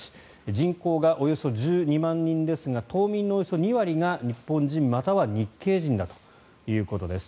人口がおよそ１２万人ですが島民のおよそ２割が日本人または日系人だということです。